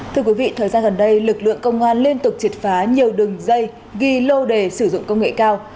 thưa quý vị thời gian gần đây lực lượng công an liên tục triệt phá nhiều đường dây ghi lô đề sử dụng công nghệ cao